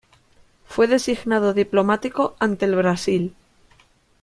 Fue designado diplomático ante el Brasil.